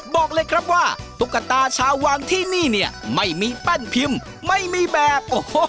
บอกว่าตุ๊กตาชาววางที่นี่ไม่มีเป้นพิมพ์ไม่มีแบบ